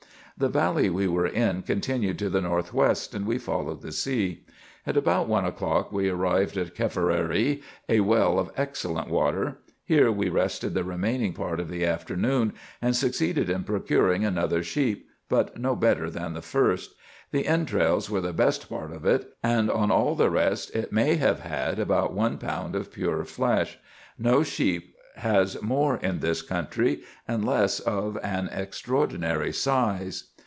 The valley we were in continued to the north west, and we followed the sea. At about one o'clock we arrived at Khefeiri, a well of excellent water. Here we rested the remaining part of the afternoon, and succeeded in procuring another sheep, but no better than the first. The entrails were the best part of it ; and on all the rest it may have had about one pound of pure flesh. No sheep has more in this country, unless of an extraordinary size.